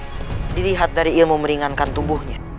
mereka melihat dari ilmu meringankan tubuhnya